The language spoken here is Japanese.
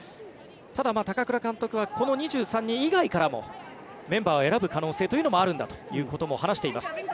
ただ、高倉監督はこの２３人以外からもメンバーを選ぶ可能性はあるんだということも話しています。